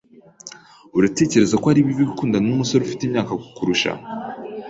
Uratekereza ko ari bibi gukundana numusore ufite imyaka kukurusha?